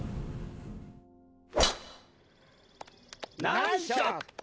ナイスショット！